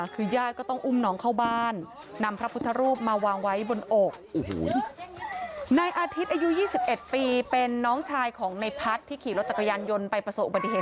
กลายน้องกลัวค่ะน้องร้องอ่ะอ่ะในทั้งที่เอารถ